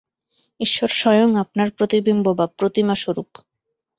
ঈশ্বর স্বয়ং আপনার প্রতিবিম্ব বা প্রতিমাস্বরূপ।